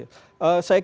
dan kemudian yeah